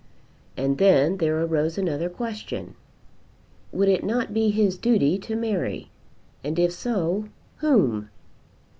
And then there arose another question. Would it not be his duty to marry, and, if so, whom?